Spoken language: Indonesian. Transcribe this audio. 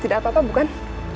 tidak apa apa bukan